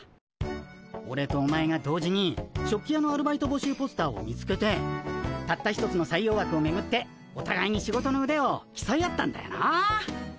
オレとお前が同時に食器屋のアルバイト募集ポスターを見つけてたった一つの採用枠をめぐっておたがいに仕事のうでをきそい合ったんだよなあ。